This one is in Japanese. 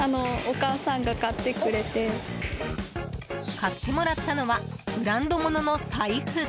買ってもらったのはブランド物の財布。